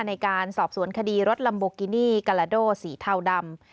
ในการสอบสวนคดีรถลัมโบกินี่กาลาโดสีเทาดำ